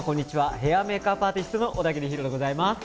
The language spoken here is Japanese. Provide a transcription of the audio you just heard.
ヘア＆メイクアップアーティストの小田切ヒロでございます。